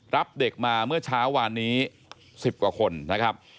รับเด็กมาเมื่อเช้าวานนี้๑๐กว่าคนนะครับ